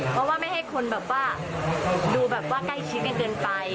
เพราะว่าไม่ให้คนดูแบบว่าใกล้ชิดเกินไป